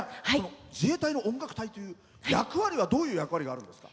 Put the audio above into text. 自衛隊の音楽隊での役割はどういう役割があるんですか？